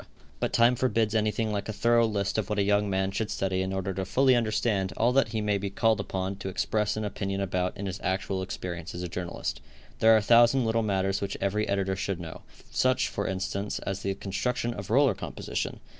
But time forbids anything like a thorough list of what a young man should study in order to fully understand all that he may be called upon to express an opinion about in his actual experience as a journalist. There are a thousand little matters which every editor should know; such, for instance, as the construction of roller composition.